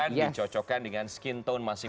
dicocokkan dengan skin tone masing masing